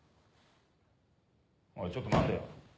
おいちょっと待てよ。